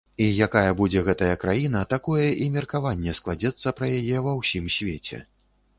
І якая будзе гэтая краіна, такое і меркаванне складзецца пра яе ва ўсім свеце.